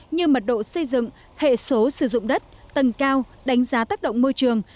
như mật độ xây dựng hệ số sử dụng đất tầng cao đánh giá tác động môi trường